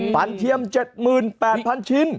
เทียม๗๘๐๐๐ชิ้น